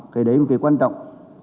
cái đấy là cái quan trọng